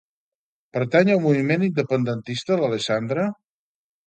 Pertany al moviment independentista l'Alessandra?